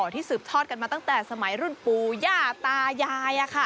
ที่สืบทอดกันมาตั้งแต่สมัยรุ่นปู่ย่าตายาย